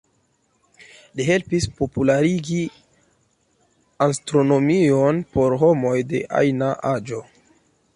Li helpis popularigi astronomion por homoj de ajna aĝo.